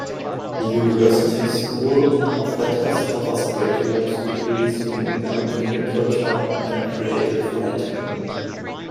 The university's School of Letters offers graduate degrees in American Literature and Creative Writing.